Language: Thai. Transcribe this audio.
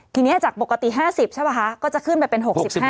ทีนี้จากปกติ๕๐ใช่ป่ะคะก็จะขึ้นไปเป็น๖๕